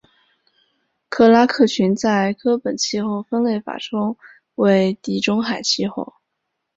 克拉克郡在柯本气候分类法中为地中海型气候。